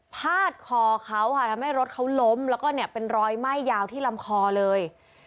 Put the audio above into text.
พาดคอเขาค่ะทำให้รถเขาล้มแล้วก็เนี่ยเป็นรอยไหม้ยาวที่ลำคอเลย